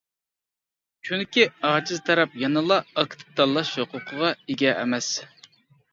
چۈنكى ئاجىز تەرەپ يەنىلا ئاكتىپ تاللاش ھوقۇقىغا ئىگە ئەمەس.